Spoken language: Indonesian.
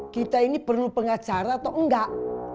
kita ini perlu pengacara atau enggak